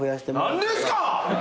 何ですか！？